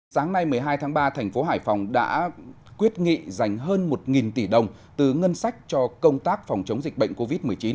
sáng nay một mươi hai tháng ba thành phố hải phòng đã quyết nghị dành hơn một tỷ đồng từ ngân sách cho công tác phòng chống dịch bệnh covid một mươi chín